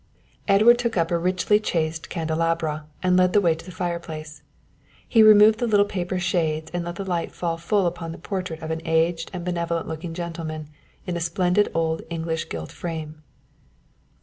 Edward took up a richly chased candelabra and led the way to the fire place. He removed the little paper shades and let the light fall full upon the portrait of an aged and benevolent looking gentleman in a splendid old English gilt frame.